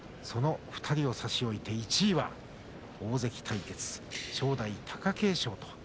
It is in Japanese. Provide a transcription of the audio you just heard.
その２人を差し置いて１位は大関対決正代、貴景勝。